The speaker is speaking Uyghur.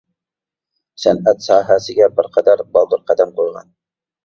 سەنئەت ساھەسىگە بىر قەدەر بالدۇر قەدەم قويغان.